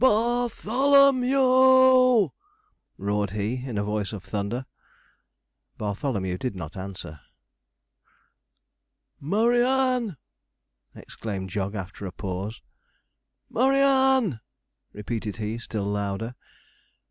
'BAR THOLO m e w!' roared he, in a voice of thunder. Bartholomew did not answer. 'Murry Ann!' exclaimed Jog, after a pause. 'Murry Ann!' repeated he, still louder.